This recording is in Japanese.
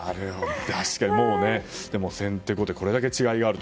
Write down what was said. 確かに、先手・後手とこれだけ違いがあると。